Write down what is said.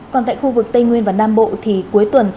còn tại khu vực tây nguyên và nam bộ thì cuối tuần